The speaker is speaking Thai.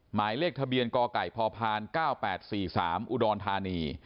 หมายเลขทะเบียนกไก่พพ๙๘๔๓อุดรธานี